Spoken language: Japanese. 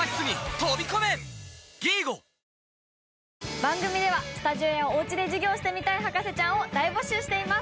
番組ではスタジオやおうちで授業してみたい博士ちゃんを大募集しています。